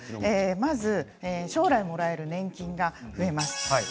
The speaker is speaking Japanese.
まず将来もらえる年金が増えます。